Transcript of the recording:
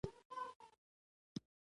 له ټولې ستړیا سره یې خندا پر شونډو نڅېدله.